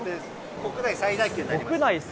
国内最大級になります。